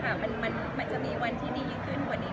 คืออันนี้แอฟก็ยอมรับว่าถ้าเคยเกิดเรื่องมาเนี่ย